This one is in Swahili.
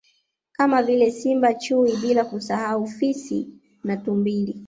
Kama vile Simba na Chui bila kusahau Fisi na Tumbili